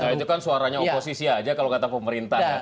itu kan suaranya oposisi aja kalau kata pemerintah